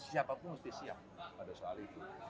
siapapun mesti siap pada soal itu